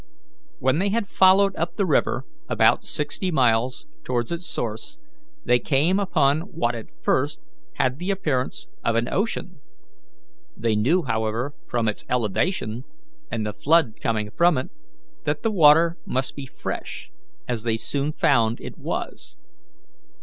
When they had followed up the river about sixty miles towards its source they came upon what at first had the appearance of an ocean. They knew, however, from its elevation, and the flood coming from it, that the water must be fresh, as they soon found it was.